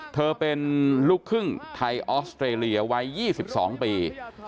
เธอเป็นลูกครึ่งไทยออสเตรเลียวัย๒๒ปี